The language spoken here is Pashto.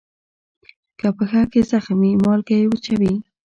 که پښه کې زخم وي، مالګه یې وچوي.